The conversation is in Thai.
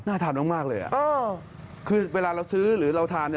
น่าทานมากเลยอ่ะคือเวลาเราซื้อหรือเราทานเนี่ย